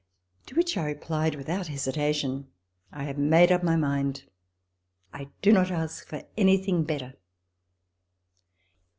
To which I replied without hesitation, " I have made up my mind. I do not ask for anything better."